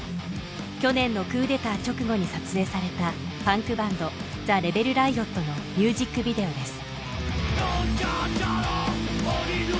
去年のクーデター直後に撮影されたパンクバンドのミュージックビデオです